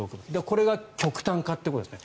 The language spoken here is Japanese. これが極端化ってことですね。